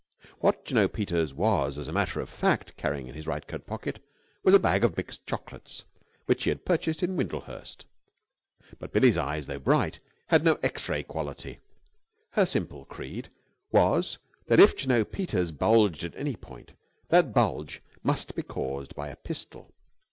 What Jno. Peters was, as a matter of fact, carrying in his right coat pocket was a bag of mixed chocolates which he had purchased in Windlehurst. But Billie's eyes, though bright, had no X ray quality. Her simple creed was that, if Jno. Peters bulged at any point, that bulge must be caused by a pistol.